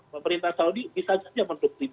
pemerintah saudi bisa saja mendukung